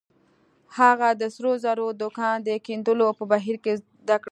هغه د سرو زرو د کان د کیندلو په بهير کې زده کړل.